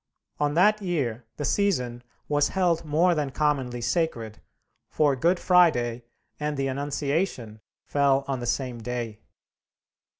On that year the season was held more than commonly sacred, for Good Friday and the Annunciation fell on the same day.